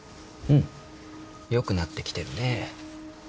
うん良くなってきてるね。